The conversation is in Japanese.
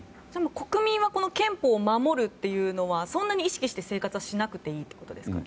国民がこの憲法を守るというのはそんなに意識して生活しなくていいということですか？